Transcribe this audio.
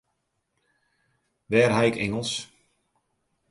Wêr ha ik Ingelsk?